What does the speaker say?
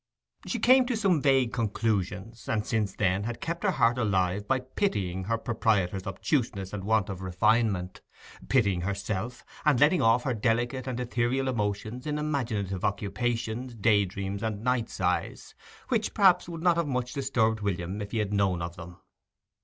She came to some vague conclusions, and since then had kept her heart alive by pitying her proprietor's obtuseness and want of refinement, pitying herself, and letting off her delicate and ethereal emotions in imaginative occupations, day dreams, and night sighs, which perhaps would not much have disturbed William if he had known of them.